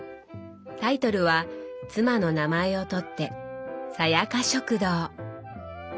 タイトルは妻の名前を取って「明佳食堂」！